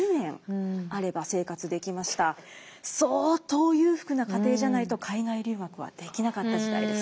相当裕福な家庭じゃないと海外留学はできなかった時代です。